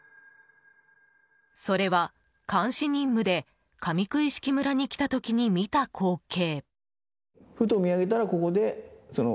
それは監視任務で上九一色村に来た時に見た光景。